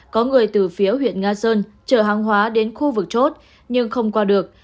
có người từ phía huyện nga sơn chở hàng hóa đến khu vực chốt nhưng không qua được